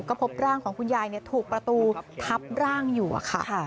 ก็พบร่างของคุณยายถูกประตูทับร่างอยู่ค่ะ